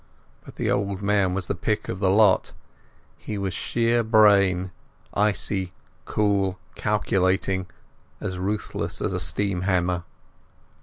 But the old man was the pick of the lot. He was sheer brain, icy, cool, calculating, as ruthless as a steam hammer.